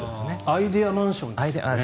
アイデアマンションですよね。